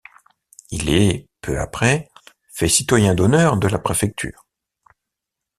Il est, peu après, fait citoyen d'honneur de la préfecture.